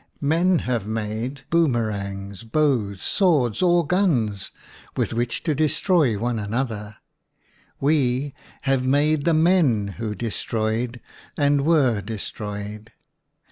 Men have made boom erangs, bows, swords, or guns with which to destroy one another; we have made the men who destroyed and were destroyed!